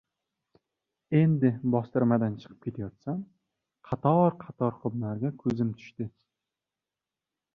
Endi bostirmadan chiqib ketayotsam, qator-qator xumlarga ko‘zim tushdi.